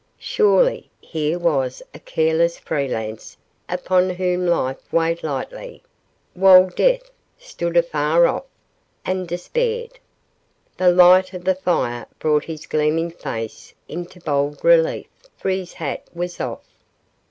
Surely, here was a careless freelance upon whom life weighed lightly, while death "stood afar off" and despaired. The light of the fire brought his gleaming face into bold relief, for his hat was off.